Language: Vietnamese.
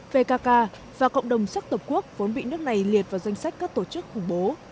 vkk và cộng đồng sắc tộc quốc vốn bị nước này liệt vào danh sách các tổ chức khủng bố